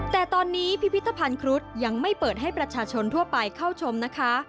แต่ตอนนี้พิพิธภัณฑ์ครุฑยังไม่เปิดให้ประชาชนทั่วไปเข้าชมนะคะ